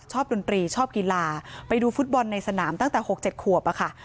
ดนตรีชอบกีฬาไปดูฟุตบอลในสนามตั้งแต่๖๗ขวบอะค่ะ